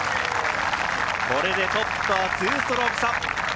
これでトップとは２ストローク差。